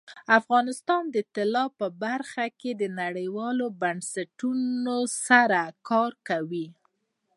افغانستان د طلا په برخه کې نړیوالو بنسټونو سره کار کوي.